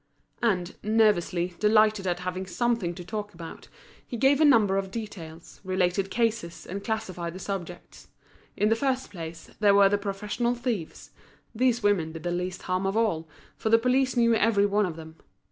And, nervously, delighted at having something to talk about, he gave a number of details, related cases, and classified the subjects. In the first place, there were the professional thieves; these women did the least harm of all, for the police knew every one of them.